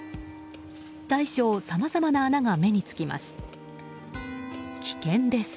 大小さまざまな穴が目につきます。